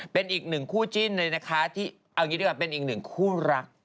เป็นอีกหนึ่งคู่จิ้นเลยนะคะที่เอางี้ดีกว่าเป็นอีกหนึ่งคู่รัก